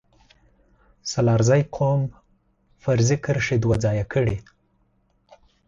سلارزی قوم فرضي کرښې دوه ځايه کړي